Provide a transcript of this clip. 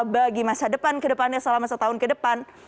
bagi masa depan kedepannya selama setahun ke depan